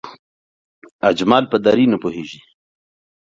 اجمل په دری نه پوهېږي